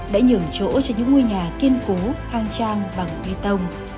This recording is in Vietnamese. đã nhường chỗ cho những ngôi nhà kiên cố khang trang bằng bê tông